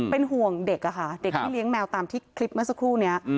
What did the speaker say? เป็นห่วงเด็กอะค่ะเด็กที่เลี้ยงแมวตามที่คลิปเมื่อสักครู่นี้